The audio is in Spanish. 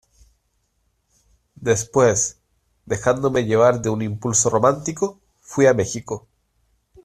después, dejándome llevar de un impulso romántico , fuí a México.